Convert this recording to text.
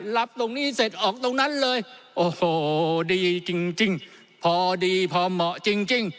รับตรงนี้เสร็จออกตรงนั้นเลยโอ้โหดีจริงพอดีพอเหมาะจริง